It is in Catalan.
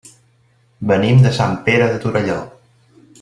Venim de Sant Pere de Torelló.